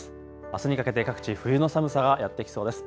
あすにかけて各地冬の寒さがやって来そうです。